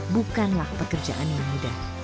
bukanlah pekerjaan yang mudah